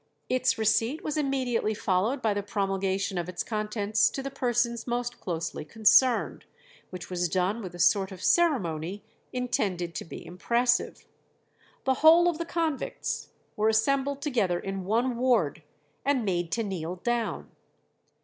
Its receipt was immediately followed by the promulgation of its contents to the persons most closely concerned, which was done with a sort of ceremony intended to be impressive. The whole of the convicts were assembled together in one ward, and made to kneel down.